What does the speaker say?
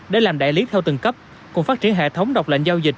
đã làm đại lý theo từng cấp cùng phát triển hệ thống độc lệnh giao dịch